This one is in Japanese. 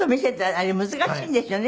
あれ難しいんですよね